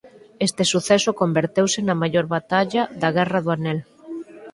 Este suceso converteuse na maior batalla da Guerra do Anel.